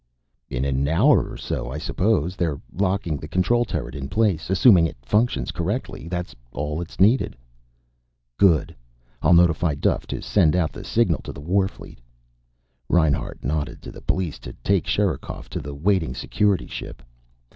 "In an hour or so, I suppose. They're locking the control turret in place. Assuming it functions correctly, that's all that's needed." "Good. I'll notify Duffe to send out the signal to the warfleet." Reinhart nodded to the police to take Sherikov to the waiting Security ship.